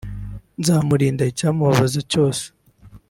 nzamurinda icyamubabaza cyose